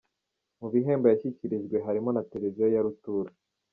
Mu bihembo yashyikirijwe harimo na Televiziyo ya Rutura.